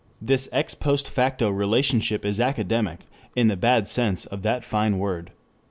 This ex post facto relationship is academic in the bad sense of that fine word.